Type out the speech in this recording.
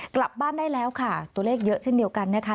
กลับบ้านได้แล้วค่ะตัวเลขเยอะเช่นเดียวกันนะคะ